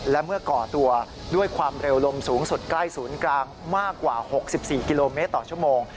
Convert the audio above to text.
และเมื่อก่อตัวด้วยความเร็วลมสูงสุดใกล้ศูนย์กลางมากกว่า๖๔กิโลเมตรต่อชั่วโมง